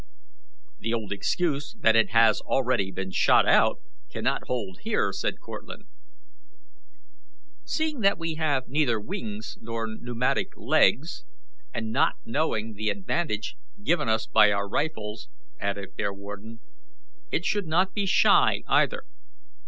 "The old excuse, that it has been already shot out, cannot hold here," said Cortlandt. "Seeing that we have neither wings nor pneumatic legs, and not knowing the advantage given us by our rifles," added Bearwarden, "it should not be shy either.